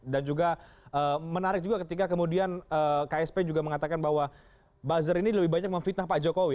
dan juga menarik juga ketika kemudian ksp juga mengatakan bahwa buzzer ini lebih banyak memfitnah pak jokowi